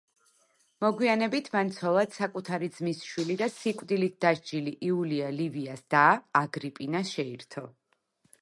მოგვიანებით, მან ცოლად საკუთარი ძმისშვილი და სიკვდილით დასჯილი იულია ლივიას და, აგრიპინა შეირთო.